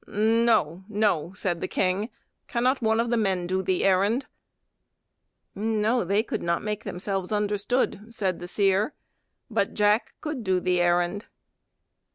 "No, no," said the king, "cannot one of the men do the errand?" "No, they could not make themselves understood," said the Seer, "but Jack could do the errand."